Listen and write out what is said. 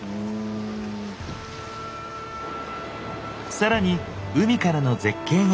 さらに海からの絶景が。